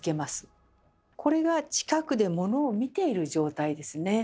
これが近くでモノを見ている状態ですね。